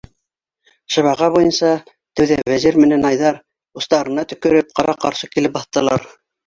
Шыбаға буйынса, тәүҙә Вәзир менән Айҙар, устарына төкөрөп, ҡара-ҡаршы килеп баҫтылар.